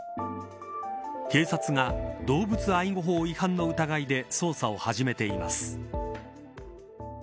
警察が動物愛護法違反の疑いで捜査を始めています。